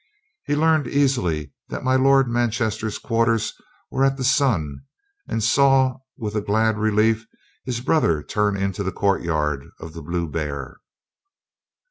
He learned easily that my Lord Manchester's quarters were at the Sun and saw with a glad relief his brother turn into the courtyard of the Blue Bear.